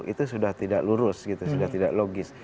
itu sudah tidak lurus gitu sudah tidak logis